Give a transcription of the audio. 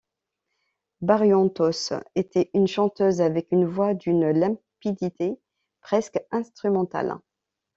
Barrientos était une chanteuse avec une voix d'une limpidité presque instrumentale.